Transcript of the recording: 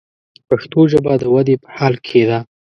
پښتو ژبه د ودې په حال کښې ده.